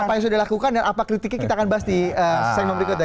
apa yang sudah dilakukan dan apa kritiknya kita akan bahas di segmen berikutnya